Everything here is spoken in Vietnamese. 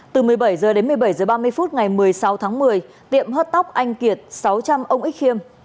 từ một mươi bảy h đến một mươi bảy h ba mươi phút ngày một mươi sáu tháng một mươi tiệm hớt tóc anh kiệt sáu trăm linh ông ích khiêm